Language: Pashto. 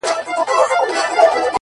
د گل خندا،